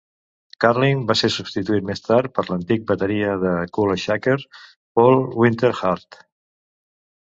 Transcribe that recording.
Carling va ser substituït més tard per l'antic bateria de Kula Shaker, Paul Winter-Hart.